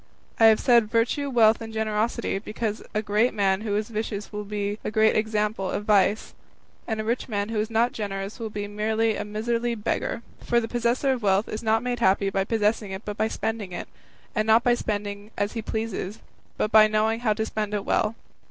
I have said virtue, wealth, and generosity, because a great man who is vicious will be a great example of vice, and a rich man who is not generous will be merely a miserly beggar; for the possessor of wealth is not made happy by possessing it, but by spending it, and not by spending as he pleases, but by knowing how to spend it well.